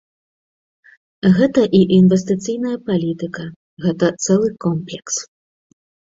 Гэта і інвестыцыйная палітыка, гэта цэлы комплекс.